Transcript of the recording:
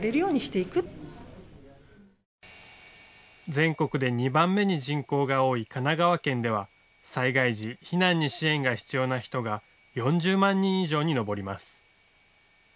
全国で２番目に人口が多い神奈川県では災害時、避難に支援が必要な人が４０万人以上に上ります。